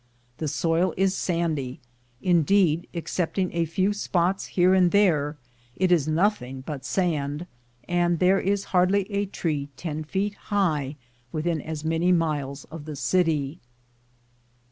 The soil is sandy; indeed, excepting a few spots here and there, it is nothing but sand, and there is hardly a tree ten feet high within as many miles of the city.